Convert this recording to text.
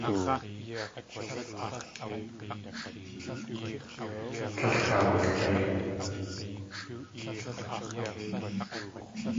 Tlél kawulg̲éi.